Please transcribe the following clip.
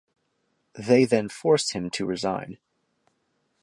They then forced him to resign.